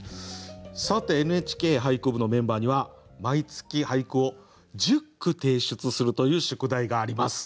さて「ＮＨＫ俳句部」のメンバーには毎月俳句を１０句提出するという宿題があります。